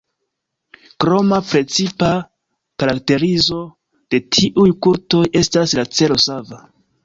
Kroma precipa karakterizo de tiuj kultoj estas la celo sava.